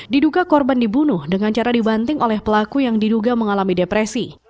diduga korban dibunuh dengan cara dibanting oleh pelaku yang diduga mengalami depresi